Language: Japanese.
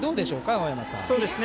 青山さん。